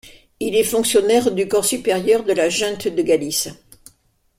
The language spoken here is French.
Il est fonctionnaire du corps supérieur de la Junte de Galice.